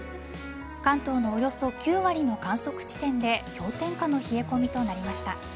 関東のおよそ９割の観測地点で氷点下の冷え込みとなりました。